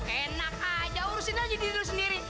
enak aja urusin aja diri lu sendiri